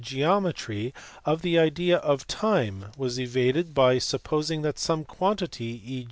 geometry of the idea of time was evaded by supposing that some quantity (e.